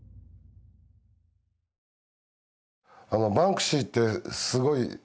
あのバンクシーってすごいよね。